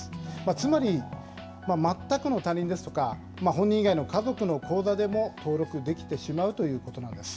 つまり、全くの他人ですとか、本人以外の家族の口座でも登録できてしまうということなんです。